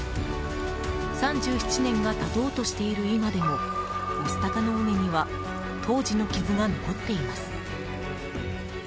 ３７年が経とうとしている今でも御巣鷹の尾根には当時の傷が残っています。